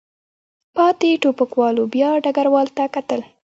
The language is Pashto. پاتې ټوپکوالو بیا ډګروال ته کتل.